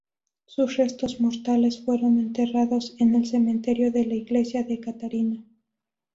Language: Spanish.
Sus restos mortales fueron enterrados en el cementerio de la iglesia de Katarina.